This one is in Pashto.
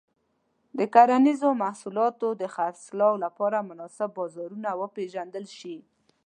د کرنيزو محصولاتو د خرڅلاو لپاره مناسب بازارونه وپیژندل شي.